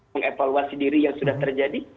mengevaluasi diri yang sudah terjadi